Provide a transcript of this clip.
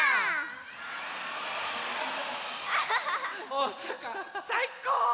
おおさかさいこう！